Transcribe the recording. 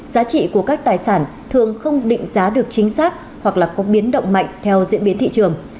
giá trị của các tài sản thường không định giá được chính xác hoặc là có biến động mạnh theo diễn biến thị trường